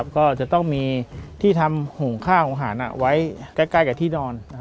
ก็จะต้องมีที่ทำหุงข้าวของอาหารไว้ใกล้กับที่นอน